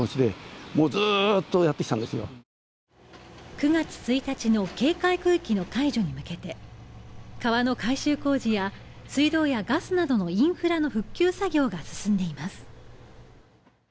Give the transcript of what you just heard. ９月１日の警戒区域の解除に向けて、川の改修工事や水道やガスなどのインフラの復旧作業が進んでいます。